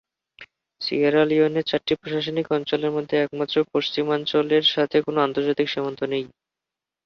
Sierra লিওনের চারটি প্রশাসনিক অঞ্চলের মধ্যে একমাত্র পশ্চিমাঞ্চলের সাথে কোন আন্তর্জাতিক সীমান্ত নেই।